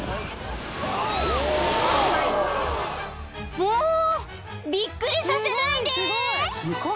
［もうびっくりさせないで］